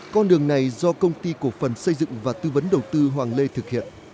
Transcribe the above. con đường này do công ty cổ phần xây dựng và tư vấn đầu tư hoàng lê thực hiện